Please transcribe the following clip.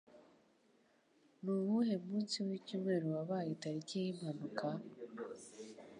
Nuwuhe munsi Wicyumweru Wabaye Tariki ya Impanuka?